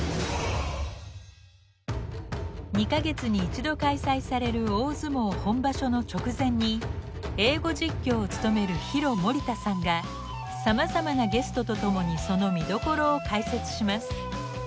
２か月に一度開催される大相撲本場所の直前に英語実況を務めるヒロ森田さんがさまざまなゲストと共にその見どころを解説します。